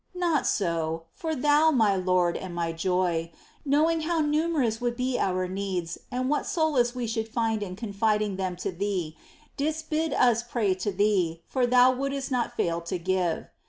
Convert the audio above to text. Not so,, for Thou, my Lord and my joy, knowing how numerous would be our needs and what solace we should find in confiding them to Thee, didst bid us pray to Thee, for Thou wouldst not fail to give.